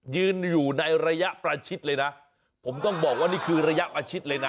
ยืนอยู่ในระยะประชิดเลยนะผมต้องบอกว่านี่คือระยะประชิดเลยนะ